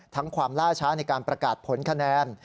ความล่าช้าในการประกาศผลคะแนน